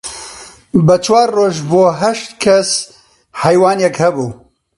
بە چوار ڕۆژ بۆ هەشت کەس حەیوانێک هەبوو